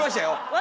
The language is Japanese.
私？